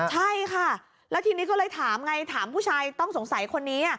ใช่ค่ะแล้วทีนี้ก็เลยถามไงถามผู้ชายต้องสงสัยคนนี้